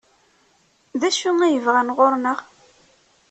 D acu ay bɣan ɣur-neɣ?